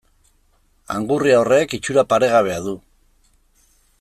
Angurria horrek itxura paregabea du.